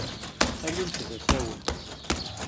Alimt d asawen.